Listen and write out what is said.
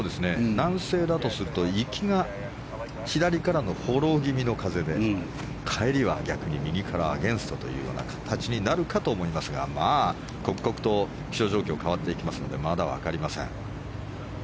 南西だとすると行きが左からのフォロー気味の風で、帰りは逆に右からアゲンストというような形になるかと思いますがまあ刻々と気象状況は変わっていきますのでまだ分かりません。